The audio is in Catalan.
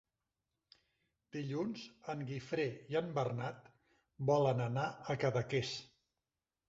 Dilluns en Guifré i en Bernat volen anar a Cadaqués.